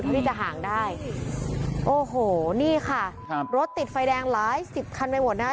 เท่าที่จะห่างได้โอ้โหนี่ค่ะรถติดไฟแดงร้าย๑๐คันไปหมดนะคะ